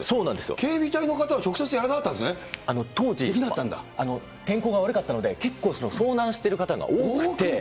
警備隊の方は、直接やらなか当時、天候が悪かったので、結構、遭難してる方が多くて。